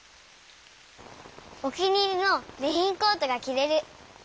お気に入りのレインコートがきられる。